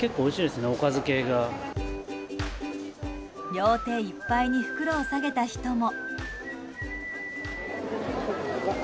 両手いっぱいに袋を提げた人も。